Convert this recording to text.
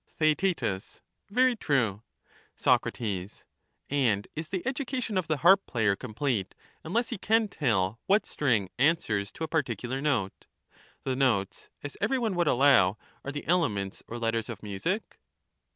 Theaet, Very true. Soc, And is the education of the harp player complete unless he can tell what string answers to a particular note ; the notes, as every one would allow, are the elements or letters of music